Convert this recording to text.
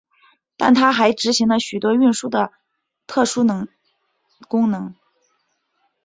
但他们还执行了许多运输和特殊功能。